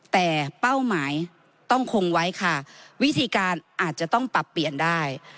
แต่เป้าหมายต้องคงไว้ค่ะวิธีการอาจจะต้องปรับเปลี่ยนได้